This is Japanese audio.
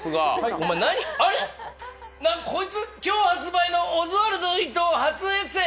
おまえ何、こいつ、今日発売のオズワルド伊藤初エッセイ。